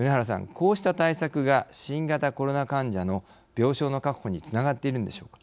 こうした対策が新型コロナ患者の病床の確保につながっているのでしょうか。